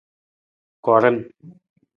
Koran.